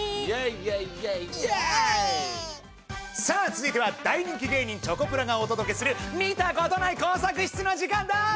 さあ続いては大人気芸人チョコプラがお届けする見たことない工作室の時間だ！